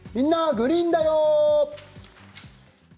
グリーンだよ」。